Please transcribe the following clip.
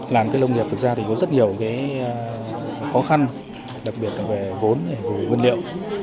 làn cái lông nghiệp thực ra thì có rất nhiều khó khăn đặc biệt là về vốn về nguyên liệu